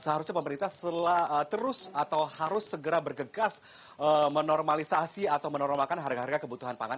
seharusnya pemerintah terus atau harus segera bergegas menormalisasi atau menormalkan harga harga kebutuhan pangan